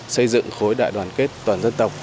xây dựng khối đại đoàn kết toàn dân tộc